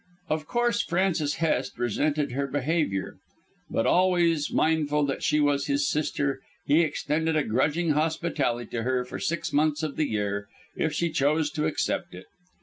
Of course, Francis Hest resented her behaviour; but, always mindful that she was his sister, he extended a grudging hospitality to her for six months of the year, if she chose to accept it.